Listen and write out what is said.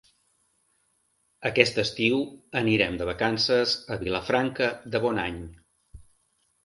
Aquest estiu anirem de vacances a Vilafranca de Bonany.